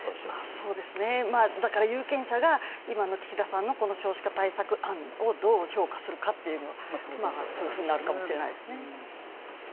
そうですね、有権者が今の岸田さんの少子化対策案をどう評価するかってなるかもしれないですね